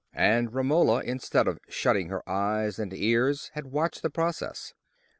And Romola, instead of shutting her eyes and ears, had watched the process.